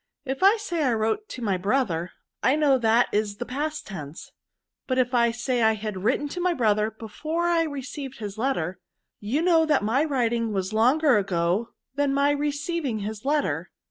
If I say I wrote to my brother, I know that is the past tense ; but if I say I had written to my brother before I received his letter, you know that my writing was longer ago than my receiving his letter.